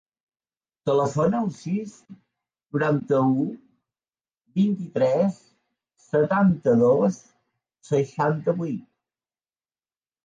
Telefona al sis, noranta-u, vint-i-tres, setanta-dos, seixanta-vuit.